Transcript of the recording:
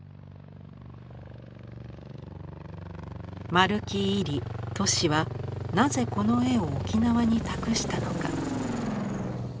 丸木位里・俊はなぜこの絵を沖縄に託したのか。